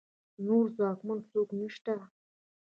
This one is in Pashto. نور ځواکمن څوک نشته